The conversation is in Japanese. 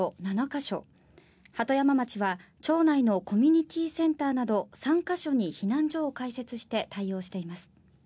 か所鳩山町は町内のコミュニティセンターなど３か所に避難所を開設して対応しています。